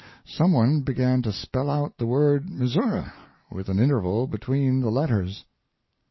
Some one began to spell out the word Missouri with an interval between the letters.